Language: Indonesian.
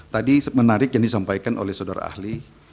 tadi menarik yang disampaikan oleh saudara ahli